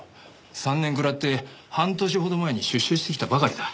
３年食らって半年ほど前に出所してきたばかりだ。